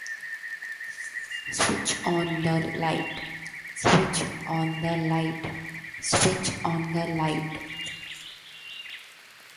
The 'g' in this specific version stands for "gratis".